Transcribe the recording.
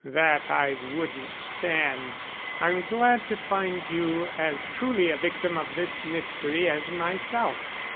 That I wouldn't stand. I'm glad to find you as truly a victim of this mystery as myself."